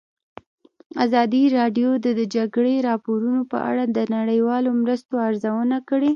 ازادي راډیو د د جګړې راپورونه په اړه د نړیوالو مرستو ارزونه کړې.